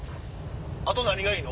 あと何がいいの？